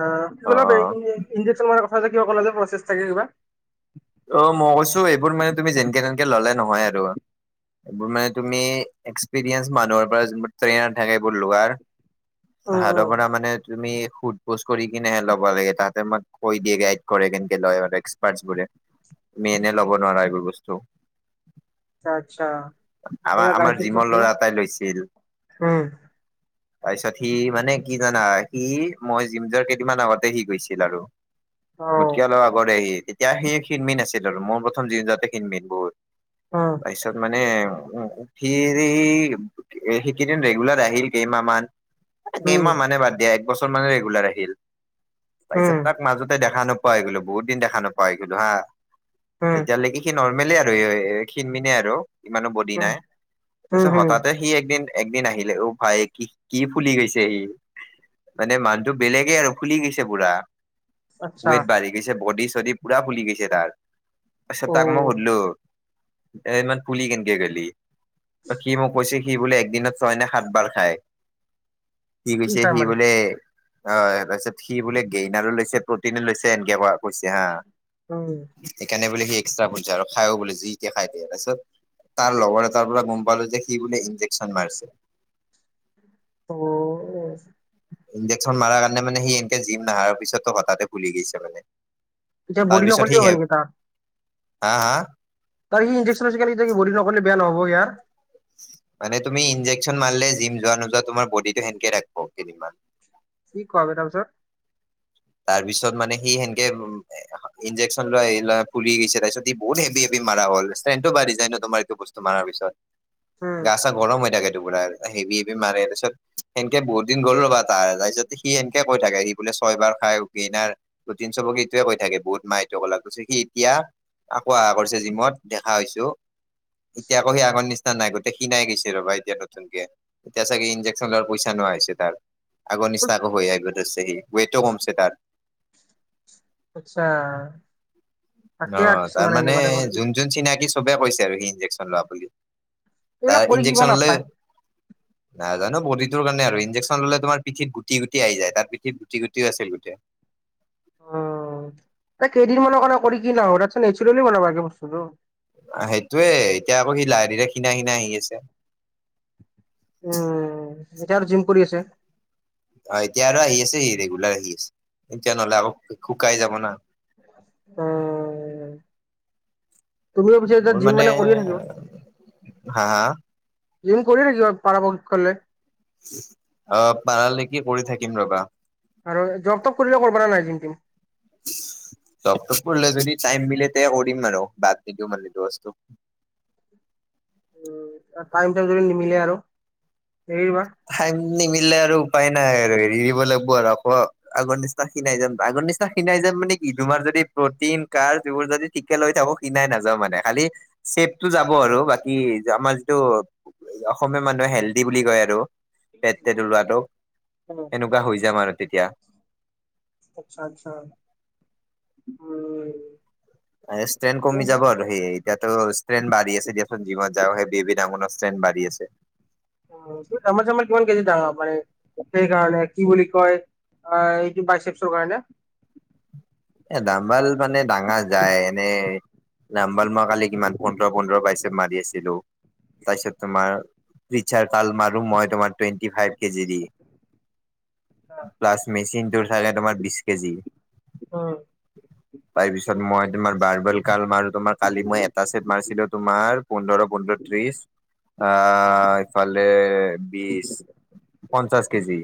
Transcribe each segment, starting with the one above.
অ', ইগিলা ই ইজেন ম কথা যে কিবা কলা যে প্ৰচেছ থাকে কিবা অ', মই কৈছো এইবোৰ মানে তুমি যেনকে তেনেকে ললে নহয় আৰু এইবোৰ মানে তুমি এক্সপিৰিয়েঞ্চ মানুহৰ পৰা যোৰ ট্ৰেইনাৰ থাকে এইবোৰ লোৱাৰ উম হাৰৰ উম পৰা মানে তুমি সু ফুচ কৰি কিনেহে ল'ব লাগে তাতে মই কৈ দিয়ে গাইড কৰে কেনকে লয় এক্সপাৰ্টচ বোৰে তুমি এনে ল'ব নোৱাৰা এইবোৰ বস্তু আচ্ছা আমাৰ আমাৰ গাইত্ৰীক কৈ জিমৰ থই দিওঁ, ল'ৰা এটাই উম তাৰ পিছত সি মানে কি জানা সি মই জিম যোৱাৰ কেইদিনমান আগতে সি গৈছিল আৰু অ মোতকে অলপ আগৰে সি তেতিয়া সি খিণমিন আাছিল আৰু মোৰ প্ৰথম জিম যাওঁতে খিনমিন বহুত অ' তাৰ পিছত মানে উম উঠৰি সেইকেইদিন ৰেগুলাৰ আহিল কেইমাহ মান উম কেইমাহ মানে বাদ দিয়া বছৰ মান ৰেগুলাৰ আহিল উম তাৰপিছত তাক মাজতে দেখা ন পাই গলো বহুত দিন দেখ নাপা হৈ গেলোঁ হা উম তেতিয়ালৈকে সি নৰ্মেলে আৰু ক্ষণমিনে আৰু ইমানো বডি উম নাই উম তাৰপিছত হুম হঠাতে সি একদিন একদিন আহিলে অ ভাই কি কি ফুলি গৈছে সি মানে মানুহটো বেলেগে আৰু ফুলি গৈছে পুৰা আচ্ছা ৱেট বাঢ়ি গৈছে বডি চডি পুৰা ফুলি গৈছে তাৰ, তাৰছত অ তাক মই সুধলো এ ইমান ফুলি কেনকে গেলি বা সি মোক কৈছে সি বোলে একদিনত ছয় ন সাত বাৰ খায়, সি কি কৈছে খাই সি মানে বোলে অ', তাৰপিছত সি বোলে গেইনাৰো লৈছে প্ৰটিনো লৈছে এনকে ক অ' সেইকাৰণে বোলে সি এক্সট্ৰা পইজা আৰু খাইও বোলে যিদিয়া খাই দিয়ে তাৰপিছত তাৰ লগৰ এটাৰ পৰা গম পালো যে সি বোলে ইন্জেকশচন মাৰছে ত ইঞজেকশ্যন মাৰা কাৰণে মানে সি এনকে জিম নাহাৰ পিছতো হঠাতে ফুলি গেছে মানে এতিয়া বডি তাৰপিছত সি নকৰিলেও হে হয় নেকি তাৰ হা হা ত স ইনজেক্যন লৈছে এতিয়া বডি ন বয়া নহব তাৰ মানে তুমি ই্জেক্চন মাৰলে জিম যোৱা নোযোৱা তোমাৰ বডি টো সেনেকে ৰাখিব কেইদিনমান কি কোৱাবে তাৰপিছত তাৰ পিছত মানে সি সেনকে উ ইঞ্জেক্যচন ল এই ল ফুলি গৈছে তাৰপিচত বহুত হেভি হেভি মাৰা হল ষস্ত্ৰেনত ও বাঢ়ি যায় না তোমাৰ এইটো বস্তু এইতোমাৰাৰ পিছত উম গা- চা গৰম হৈ থাকে টো পুৰা হেভি হেভি মাৰে তাৰপিছত সেনকে বহুতিন গ'ল ৰবা তাৰ তাৰপিছত সি সেনকে কৈ থাকে সি বোলে ছয়বাৰ খাইনাৰ টিন চবকে ইটোৱে কৈ থাকে বহুত মাহটো কলাক সি এতিয়া আকৌ আহা কৰিছে জিমত দেখা হৈছো। এতিয়া আকৌ সি আগৰ নিচিনা নাই গোটেই শিনাই গৈছে ৰবা এতিয়া নতুনকে। এতিয়া চাগে ইঞ্জেকশন লোৱাৰ পইচা নহোৱা হৈছে তাৰ। আগৰ নিচনা হৈ আহিব ধৰছে সি ৱেটও কমছে তাৰ। আচ্ছা। তাকে অ কিছুমানে তাৰমানে এনেকুৱা টাইপৰ যোন যোন চিনাকি চবে কৈছে আৰু সি ইনজেকচন লোৱা বুলি। তাৰ এইবিলাক কৰি কিবা ইনজেকচন লৈ নাপায়। নাজানো বডিটো কাৰনে আৰু ইনজেক্ন ল'লে তোমাৰ পিঠিত গটি গুটি আহি যাই তাৰ পিঠিত গুটি গুটিও আছিল গোটেই। উ এই কেইদিন মানৰ কাৰণে কৰি কি ল এ চলি বনালাগে বস্তুটো। সেইটোয়ে এতিয়া আকৌ সি লাহে- ধীৰে খীনাই-খীণাই আহি আছে। উম, এতিয়া আৰু জিম কৰি আছে। অ', এতিয়া আৰু আহি আছে সি ৰেগুলাৰ আহি আছে এতিয়া নহলে আকৌ শুকাই যাব না। উম। তুমি ও পিছে এতিয়া জিম মানে কৰিয়ে থাকিবা? হা হা ইম কৰি থে কিব পাৰ পলে। অ', পাৰালেক কি কৰি থাকিম ৰবা। আৰু জব তব কৰিলে কৰিব পৰাা নাই যিন্তিম। [inaudible] চবটো পলে যদি টাইম মিলে তে ৰিম মানে বাদ নিদিও মানে বস্তু। উম, টাইম যদি নিমিলে আৰু। নিমিলে আৰু উপায় নাই আৰু হেৰি দিব লাগিব আৰু আকৌ আগৰ নিচিনা সিনাই যাম আগৰ নিচিনা সিনাই যাম মানে কি তোমাৰ যদি প্ৰটিন কাৰ যবোৰ যদি ঠিকে লৈ থাকো কিনাই নাযাওঁ মানে খালি চেভটো যাব আৰু বাকী আমাৰ যিটো। অসমীয়া মানুহে হেল্ডি বুলি কয় আৰু। পেট পট ওলোৱাতটো এনেকুৱা হৈ যায় ম আৰু তেতিয়া। আচ্ছা, আচ্ছা উম। এ ষ্ট্ৰেন কমি যাব আৰু সেই। এয়াতো ষ্ট্ৰেন বাঢ়ি আছে দিয়চোন জিমত যাওঁ সেই বেব ডাঙ ষ্ট্ৰেন বাঢ়ি আছে। জামাৰ চামাৰ কিমান কেজি ডাঙা মান সেইকাৰণে কি বুলি কয়। অ', এইটো বাইচেপছৰ কৰা নে। এ দাম্বাল মানে ডাঙা যায় এনেই। নাম্বাল মই কালি কিমান পোন্ধৰ পোন্ধৰ পাইছ মাৰি আছিলো। তাৰপিছত তোমাৰাৰ মাৰ মই তোমাৰ টুৱেটি ফাইভ। কেজি দি প্লাছ মেচিনটোৰ চাগে তোমাৰ বিশ কেজি। উম। তাৰ পিছত মই তোমাৰ বাৰ্বেল কাল মাৰো তোমাৰ কালি মই এটা চছেট মাৰছিলো তোমাৰ পোন্ধৰ, পোন্ধৰ। ত্ৰিশ আহ ইফালে বিশছ। পঞ্চাছ কেজি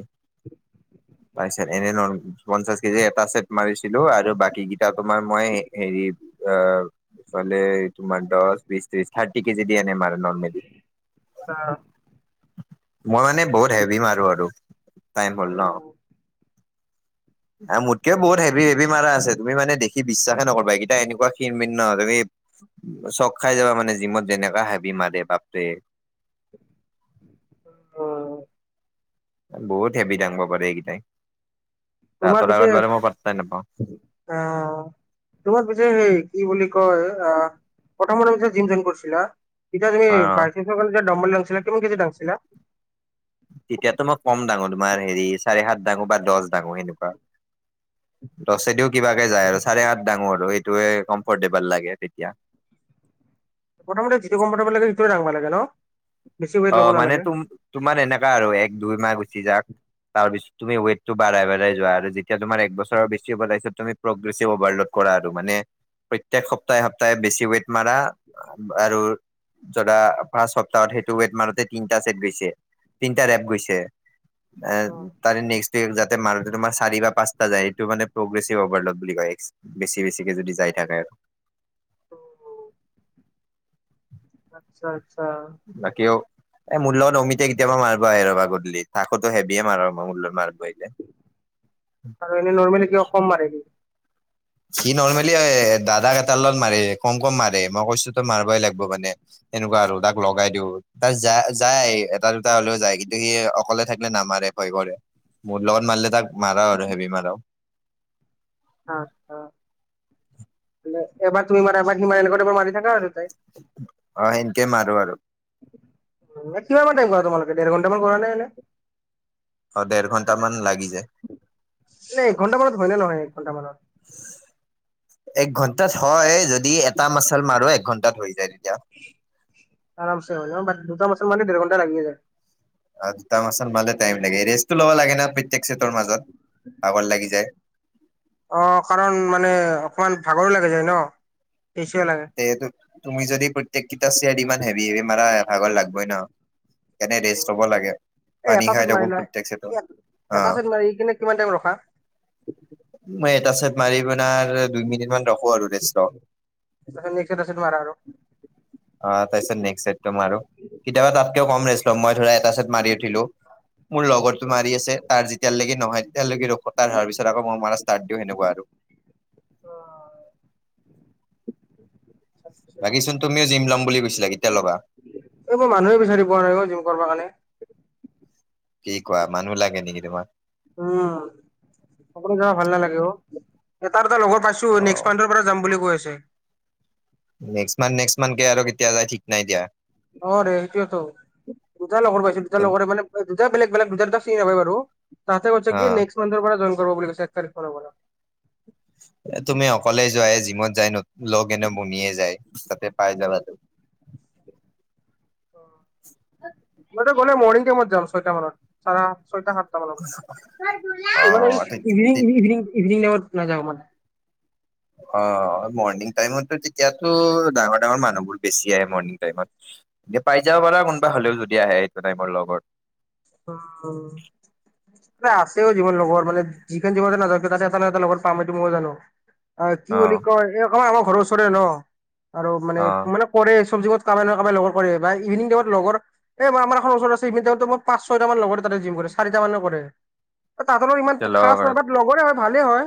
ত এনে ন পঞ্চাছ কেজি এটা মাৰ। ছিলো আৰু বাকীকেইটা তোমাৰ মই হেৰি আহ। ফালে তোমাৰ দহ বিশ ত্ৰিশ থাৰ্টি কেজি দিয়া নমাৰ। মই আহ, মানে বহুত হেভি মাৰো আৰু। তামত। উম, আৰু মোতকে বহুত হেভি হেভি মাৰা আছে তুমি মানে দেখি বিশ্বাসে নকবা এেইটা এনেকুৱা কিনণিন্ ন তুমি। চক খাই যাবা মানে জিমত যেনেককা হোবি মাৰে বাপটোৱে। উম। বহুত হেভি দাঙব পাৰে এইকেইটাই ৰাতৰ আগত বাৰু মই পাই নাপাওঁ। অ'। তোমাৰ পিছে সেই কি বুলি কয় আহ কথম পি জিম জইন কৰিছিলা। এতিয়া তুমি অ পাৰ্টিছৰ ডম্বলি আছিলা কিমান কেজি দাঙচিলা। তেতিয়াতো মই কম দাঙো তোমাৰ হেৰি চাৰি, সাত দাঙো বা দহ দাঙো সেনেকুৱা। দছেদিও কিবাকে যায় আৰু চাৰে আঠ ডাঙো আৰু সেইটোৱে কমফৰ্টেবল লাগে তেতিয়া। প্ৰথমতে যিটোম পাব লাগে সটোয়ে দাঙিব লাগে ন। বেছি ৱেইট অ, ল'ব মানে নালাগে। তুম তোমাৰ এনেককা আৰু এক, দুই মাহ গুচি যাক। তাৰ পিছত তুম ৱেইটটো বাঢ়াই, বাঢাই যোৱা আৰু যেতিয়া তোমাৰ একছৰেছি হাৰ পিছ তুমি প্ৰগ্ৰেভ অভাৰলোড কৰা আৰু মানে প্ৰত্যেক সপ্তাহে, সপ্তাহে বেছি ৱট মাৰা আৰু যাদা পাঁচ সপ্তাহত সেই ট মাৰতে তিটাট গৈছে তিটা প গৈছে তাৰে নেক্স যাতে মাৰোতে তোম চাৰি বা পচটা যায় এইটো মানে প্ৰগ্ৰেভভাৰলড বুলি কয়। বেছি, বেছিকে যদি যাই থাকে। অ'। আচ্ছা, আচ্ছা। বাকিও এই মূলত অমিততে কেতিয়াবা মাৰিবা হ ৰ'বা গধূলি থাকোতো হেভিয়ে মাৰ মোৰ লগৰ মাৰ্গ ব আহিলে। আৰু এনেই নৰ্মেল কিব কম মাৰি সি? সি নৰ্মেলি দাদাক এটাৰ লগত মাৰে কম, কম মাৰে মই কৈছো তো মাৰিবই লাগিব মানে। তেনেকুৱা আৰু তাক লগাই দিও তাক যা-যায় এটা, দুটা হলেও যায় কিন্তু সি অকলে থাকিলে নামাৰে। ভয় কৰে মোৰ লগত মাৰিলে তাক মাৰাও আৰু হেভি মাৰা অ', অ', এবাৰ তুমি মাৰা এবাৰ হিমালয় লগত এবাৰ মাৰি থাকা আৰু তাই অ, সেনেকে মাৰো আৰু। কিমান টাইম কৰা তোমোকে দেৰ ঘণ্টামান কৰা নাই ননে। অ দেৰ ঘন্টা মান লাগি যায় ন, একঘন্টা মানত হয় ন, নহয় এক ঘন্টা মানত। এক ঘন্টাত হয় যদি এটা মাচাল মাৰো, এক ঘন্টাত হৈ যায় তেতিয়া। আৰাম চ হয় দুটা মচন ম ডেৰ ঘণ্টা লাগি আ যায়। দুট মাত মালে টাইম লাগে ৰেষ্টটো ল'ব লাগে না প্ৰত্যেক চেটৰ মাজত ভাগৰ লাগি যায়। অ, কাৰণ মানে অকমান ভাগৰো লাগে যায় ন সচে লাগে। তে, তুমি যদি প্ৰত্যেকেইটা চিৰ ইমান হেভি হে মাৰা ভাগৰ লাগবই ন। এনে ৰেষ্ট ল'ব লাগে। এ, পানী এটা খাই চেট থাকো মাৰি প্ৰত্যেক চেটত লয় এটা অ' চেট মাৰি কিনে কিমান টাইম ৰখা? মই এটা চাইট মাৰি পনাৰ দুই মিনিট মান ৰখো আৰু ৰেষ্ট ত, মেছে তছত মাৰ আৰু। অ, তাৰপিছত নেক্স চটটো মাৰো কেতিয়াবা তাতকেও কম ৰে মই ধৰা এটা চছেট মাৰি উঠিলো। মোৰ লগৰতটো মাৰি আছে তাৰ যেতিয়ালৈকে নহয় তেতিয়ালৈকে ৰখ তাৰ হোৱাৰ পিছত আকৌ মই মাৰ ষ্টাৰ্ দিওঁ সেনেকুৱা আৰু। বাকী চোন তুমিও জিম লাম বুলি কৈছিলা কেতিয় ল'বা? এই মই মানুহে বিচাৰিব পুৱা নাই অ, জিম কৰিবৰ কাৰণে। কি কোৱা মানুহ লাগে নেকি তোমাৰ? উম, অকলে যাব ভাল নালাগে অ, এ এটা লগৰ পাইছো ন অ' পৰা যাম বুলি কৈ আছে। নেক্সট মন্থ, নেক্সট মন্থ আৰু কেতিয়া যই ঠিক নাই দিয়া। অ, ৰে সেইটোয়েতো দুটা লগৰ পাইছো দুটাৰ লগৰে মানে দুটা বেলেগ, বেলে দুটাৰ, দুটা চিন নাপাই বাৰু তাতে কৈছে কি অ' নেক্সট মানথৰ পৰা জইন কৰিব বুলি কৈছে এক তাৰিখ পৰা তুমি অকলে যোৱ জিমত যায় লগ এনে বনিয়ে যায় তাতে পাই যাবা ত মইটো গ'লে মৰ্ণিং টাইমত যাম ছয়টা মানত, চাৰা ছয়টা, সাত অ', তে তে ইভিনং, ইভিনং, ইভিনিং টাইমত নাযাও মানে। অ, মৰ্ণিং টাইমতো তেতিয়াতো ডাঙৰ, ডাঙৰ মানুহবোৰ বেছি আহ মৰ্ণিং টাইমত। এতিয়া পাই যাব পাৰা কোনবা হলেওদি আহে সেইটো টাইমৰ লগত অ', অ'। আছেও যিমান লগৰ মানে যিখন জিৱনতে নাকে তাতে এটা ন এটা লগৰ পাম সেইটো মই জানো। অ' কি বুলি কয় এই কমাৰ আমাৰ ঘৰৰ ওচৰে ন আৰু মানে অ', মানে কৰে চব্ কত কামে ন কামে লগ কৰে বা ইভিনং টাইমত লগৰ এইই আমাৰ এখন ওচৰত আছে ইভং ইম পাঁচ ছয়টা মান লগৰে তাতে জিম কৰে চাৰিটা মানে কৰে তাতলও ইমান তেতিয়া খ ল'ব পাৰা। নহয় লগৰে হয় ভালেই হয়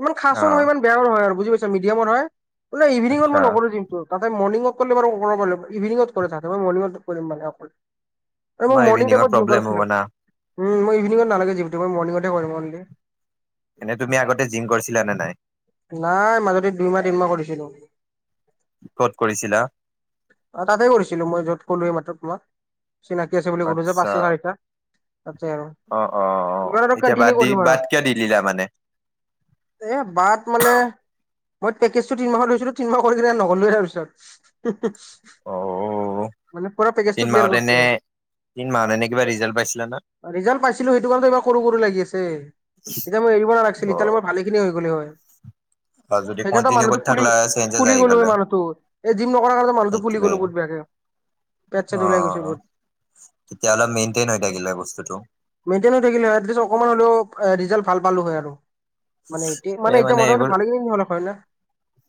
ইমান খাচো নহয় অ', ইমান বেয়াও নহয় আৰু বুজি পাইছ মিডিয়ামতহয়। ন ইভিনঙ আচ্ছা মই নকৰো যমটো। তাতে মৰিং ৱাক কৰিলে বাৰু ইভিনিঙত কৰেলোক মণিংৱ কৰিম মানে। এই মোক মাৰ মৰ্ণিং টাইমত ইভিনিংত মই ইভিনিঙত নালাগে জ মই মৰ্ণঙত কৰিমল। এনে তুমি আগতে জিম কৰিছিলা নে নাই? নাই মাজদি দুইমাহ তিনমাহ কৰিছিলো। কত কৰিছিলা? অ তাতে কৰিছিলো মই য'ত ক'লোেই মাত্ৰ তোমাক চিনাকি আছে বুলি কলো যে আচ্ছা ততি আৰু আৰু। অ', অ', অ' এইবাৰ এতিয়া বাদ কন্টিনিউ দি কৰিম আৰু বাদ কিয় দি দিলা মানে? এ বাট মানে মই পেকজ তিমাহ লৈো তিনিমাহ কৰি কিনে নগ'লেৱ তাৰিছত। অ', মানে পৰা পেকেজ তটো ক্লিয়াৰ কৰছো। দিন মানে কিবা ৰিজাল্ট পাইছিলা না? ৰিজাল্ট পাইছিলো সেইটো কাৰণে ইবাৰ কৰু কৰু লাগি আছে এতিয়া মই এৰিব নালাগিছিল এতিয়ালৈ অ', মই ভালে হৈ গ'ল হয়। বা যদি সেইকাৰণে তো কন্টিনিউ কৰি মানুহটো ফুলি থাকলা চেঞ্জেছ ফুলি আহি গ'লো গ'লে হয় মানুহটো এই জিম নকৰা কাৰণে মানুহটো ফুলি সেইটোৱে গ'লো বহুত বেয়াকে। পেত চেত উলাই গুচি অ'। গ'ল। তেতিয়া অলপ মেইনটেইন হৈ থাকিলে হয় বস্তুটো। মেইনটেইন হৈ থাকিলে হৈ আটলিস্ত অকনমান হ'লেও ৰিজাল্ট ভাল পালোঁ হয় আৰু। মানে এতিয়া মানে এই এতিয়া মোটা মানুহৰ এইবোৰ ভালে খিনি হ'লে হয় ন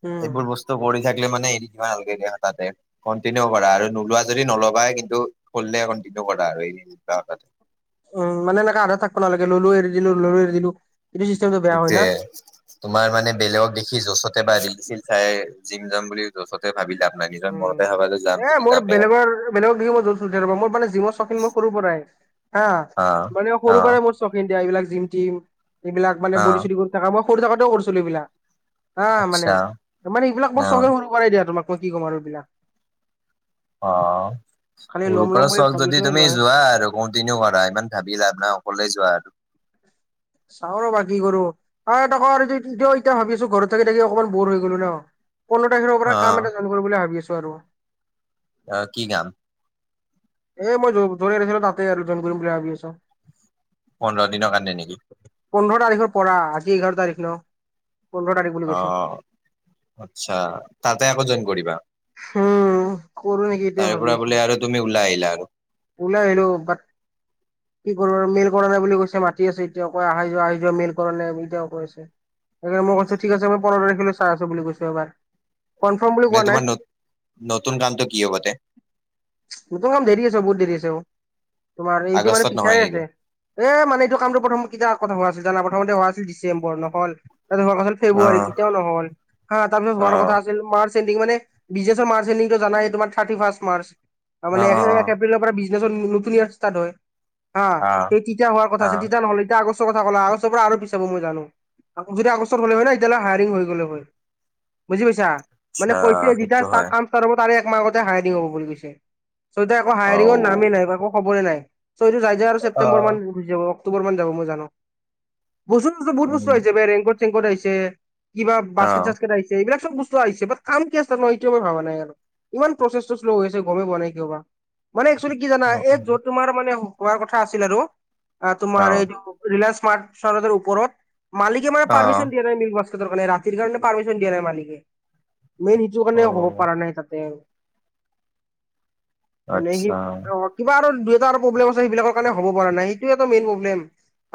উম। ত পঢ়ি থাকিলে মানে এৰি দিবা নালাগিলে হৈ তাতে। কণ্টিনিউ কৰা আৰু নোলোৱা যদি নলবাই কিন্তু কৰিলে কণ্টিনিউ কৰা আৰু এইটো কথা। উম মানে এনেকা আধাতে থাকিব নালাগে ললো এৰি দিলো ললো এৰি দিলো। [unintelligible] সেইটোয়ে তোমাৰ মানে বেলেগক দেখি য'চতে বা [unintelligible] চাই জিম যাম বুলি। যচতে ভাবি লাভ নাই নিজৰ মনতে ভাবা যে যাম উম এ যদি মোৰ যামেই আৰু বেলেগৰ বেলেগক দেখি মই জছো মোৰ মানে জীৱৰ চৌকিন মোৰ সৰুৰ পৰাই হা অ মানে অ সৰু পৰাই মই ইণ্ডিয় এইবিলাক জিম টিম এইবিলাক মানে অ বৰি চৰি কৰি থাকা সময়ত সৰু থাকোঁতেও কৰিছিলোঁ এইবিলাক। আহ মানে আচ্ছা ত মানে এইবিলাক বৰ অ চগে সৰু পৰাই দিয়া তোমাকনো কি ক'ম আৰু এইবিলাক। অ' খালি সৰু ল'ম ল'ম পৰা বুলি চখ ভাবি যদি আছিলো লোৱা নাই তুমি যোৱা আৰু। কণ্টিনিউ কৰা ইমান ভাবি লাভ নাই অকলে যোৱা আৰু চাওঁ ৰবা কি কৰো তাকো আৰু এতিয়া ভাবি আছো ঘৰত থাকি থাকি অকমান বৰ হৈ গলো ন। পোন্ধৰ তাৰিখৰ পৰা অ কাম এটা চালোঁ কৰিম কৰিব বুলি ভাবি আছোঁ আৰু। অ' কি কাম? এ মই য'ৰ য'ত এৰিছিলো তাতে আৰু [unintelligible] কৰিম বুলি ভাবি আছো। পোন্ধৰ দিনৰ কাৰণে নেকি? পোন্ধৰ তাৰিখৰ পৰা আজি এঘাৰ তাৰিখ ন। পোন্ধৰ তাৰিখ বুলি কৈছো অ' আচ্ছা তাতে আকৌ জইন কৰিবা? উম। কৰো নেকি এইটোৱে তাৰে পৰা বোলে আৰু তুমি ওলাই আহিলা আৰু উলাই আহিলোঁ বাত কি কৰিব আৰু মিল কৰা নাই বুলি কৈছে মাতি আছে এতিয়াও কৈ আহি যোৱা আহি যোৱা মিল কৰা নাই এতিয়াও কৈ আছে। সেই কাৰণে ময়ো কৈছোঁ ঠিক আছে মই পোন্ধৰ তাৰিখে চাইছোঁ বুলি কৈছোঁ এইবাৰ। এনে তোমাৰ নত নতুন কামটো কি হ'ব তাতে? নতুন কাম দেৰি আছে বহুত দেৰি আছে তোমাৰ এইটো মানে আগষ্টত পিছাই নহয় নেকি আছে। এ মানে এইটো কামটো প্ৰথম কেতিয়া কথা হোৱা আছিল জানা প্ৰথমতে হোৱা আছিল ডিচেম্বৰ নহ'ল তাতে হোৱা কৈছিল অ ফেব্ৰুৱাৰীত তেতিয়াওঁ নহ'ল হা তাৰপিছত অ হোৱাৰ কথা আছিল মাৰ্চ এন্দিং মানে বিজনেছৰ মাৰ্চ এণ্ডিং টো জানায় তোমাৰ থাৰ্তী ফাৰ্ষ্ট মাৰ্চ অ তাৰমানে অ এ সিফালৰ পৰা বিজনেছৰ নতুন ইয়াৰ ষ্টাৰ্ট হয় হা অ অ তেতিয়া হোৱা অ কথা হৈছিল তেতিয়া নহ'ল গৈ আগষ্ট কথা ক'লে আৰু আগষ্টৰ পৰা আৰু পিছাব মই জানো যদি আগষ্টৰ হ'লে হয় নে এতিয়ালৈ হায়াৰিং হৈ গ'লে হয়। বুজি পৈছা মানে আচ্ছা কৈ কি সেইটো যেতিয়া হয় কাম ষ্টাৰ্ট হ'ব তাৰে একমাহ আগতে হায়াৰিং দি হ'ব বুলি কৈছে। অ', হায়াৰিঙৰ নামেই নাই বা একো খবৰে নাই চ' এইটো যাই যায় আৰু অ ছেপ্তেম্বৰ মান হৈ যাব অক্টোবৰ মান যাব মই জানো বস্তু বহুত বস্তু উম আহিছে ব ৰেইনকট চেংকট আহিছে কিবা অ বাস্কেট চাস্কেত আহিছে এইবিলাক বস্তু আহিছে বাত কাম কিয় ষ্টাৰ্ট হোৱা নাই এইটোৱে ভাবা নাই আৰু ইমান প্ৰচেছটো শ্ল' হৈ আছে গমেই পোৱা নাই কিয় বা। মানে একচুৱেলী কি জানা অ এই য'ত তোমাৰ মানে হোৱাৰ কথা আছিল আৰু অ অ তোমাৰ এইটো অ ৰিলায়ন্স স্মাৰ্টাৰৰ ওপৰত মালিকে মানে পাৰ্মিশন দিয়া নাই মিল কাৰণ ৰাতিৰ কাৰণে পাৰ্মিচন দিয়া নাই মালিকে মেইন সিটো কাৰণে হ'ব অ পৰা নাই তাতে মানে সি আচ্ছা অ কিবা আৰু দুই এটা আৰু প্ৰব্লেম আছে সেইবাকৰ কাৰণে হ'ব পৰা নাই সেইটো এটা মেইন প্ৰব্লেম।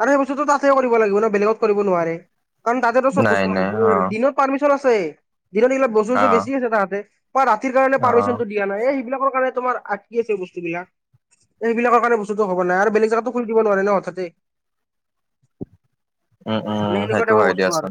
আৰু সেই বস্তুতো তাতে কৰিব লাগিব ন বেলেগত কৰিব নোৱাৰে। কাৰণ তাতেতো চব নাই বস্তু আছে নাই যে অ দিনত পাৰ্মিচন আছে দিনত এইবিলা বস্তু অ চস্তু বেছি আছে তাহাঁতে বা ৰাতিৰ কাৰণে অ পাৰ্মিশনটো দিয়া নাই এ সেইবিলাকৰ কাৰণ তোমাৰ আ কি আছে বস্তু বিলাক সেইবিলাকৰ কাৰণে বস্তুতটো হ'ব নাই আৰু বেলেগ জেগাতো খুলি দিবো নোৱাৰে ন হঠাতে উম উম মানে সনেকুৱা সেইটো টাইপৰ হয় বস্তু দিয়াচোন আৰু